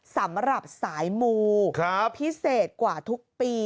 สำหรับสายมูพิเศษกว่าทุกปี